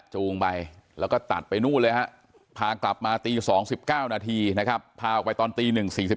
จูงไปแล้วก็ตัดไปนู่นเลยฮะพากลับมาตี๒๙นาทีนะครับพาออกไปตอนตี๑๔